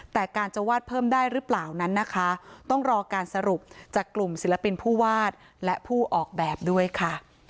แต่การจะวาดเพิ่มได้หรือเปล่านั้นนะคะต้องรอการสรุปจากกลุ่มศิลปินผู้วาดและผู้ออกแบบด้วยค่ะ